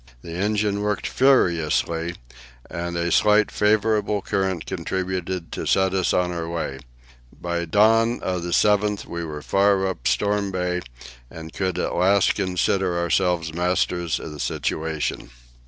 The engine worked furiously, and a slight favourable current contributed to set us on our way. By dawn on the 7th we were far up Storm Bay and could at last consider ourselves masters of the situation.